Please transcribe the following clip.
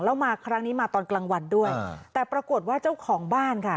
แล้วมาครั้งนี้มาตอนกลางวันด้วยแต่ปรากฏว่าเจ้าของบ้านค่ะ